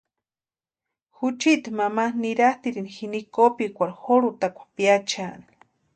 Juchiti mama niratʼirini jini kopikwarhu jorhutakwa piachiani.